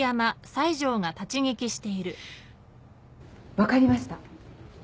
分かりました。